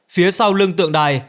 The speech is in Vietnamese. phía sau lưng tượng đài